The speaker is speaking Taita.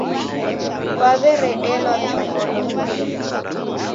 Kwaw'eredelwa njogholo nyuma.